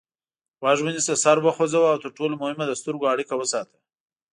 غوږ ونیسه سر وخوځوه او تر ټولو مهمه د سترګو اړیکه وساته.